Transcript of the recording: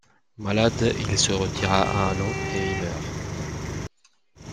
Malade, il se retire à Allons et y meurt.